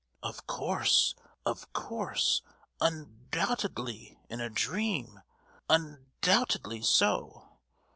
"Of course, of course; un—doubtedly in a dream, un—doubtedly so!